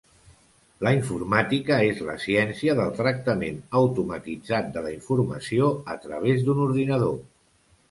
La informàtica és la ciència del tractament automatitzat de la informació a través d'un ordinador.